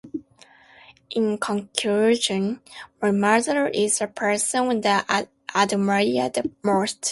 In conclusion, my mother is the person that I admire the most.